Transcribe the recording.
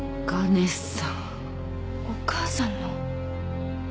お母さんの？